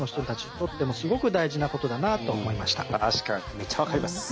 むっちゃ分かります。